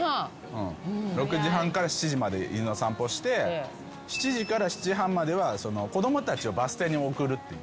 ６時半から７時まで犬の散歩して７時から７時半までは子供たちをバス停に送るっていう。